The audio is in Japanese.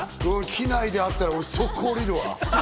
機内で会ったら、俺、速攻降りるわ！